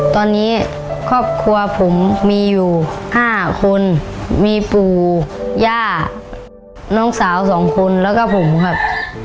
ตอนนี้ครอบครัวผมมีอยู่๕คนมีปู่ย่าน้องสาว๒คนแล้วก็ผมครับ